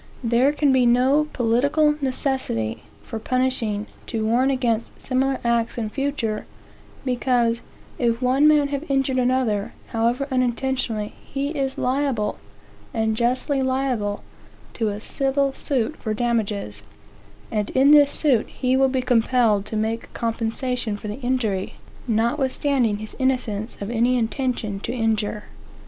There can be no political necessity for punishing, to warn against similar acts in future, because, if one man have injured another, however unintentionally, he is liable, and justly liable, to a civil suit for damages; and in this suit he will be compelled to make compensation for the injury, notwithstanding his innocence of any intention to injure.